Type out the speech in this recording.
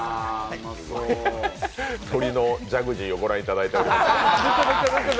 鶏のジャグジーをご覧いただいてます。